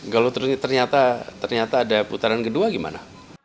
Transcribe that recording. kalau ternyata ada putaran kedua gimana